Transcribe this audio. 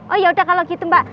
oh ya udah kalau gitu mbak